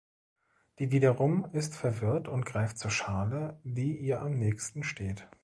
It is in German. Die wiederum ist verwirrt und greift zur Schale, die ihr am nächsten steht.